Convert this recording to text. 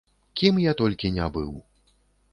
Кім я толькі не быў.